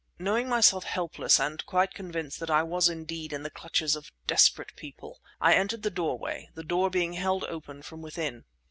Knowing myself helpless and quite convinced that I was indeed in the clutches of desperate people, I entered the doorway, the door being held open from within.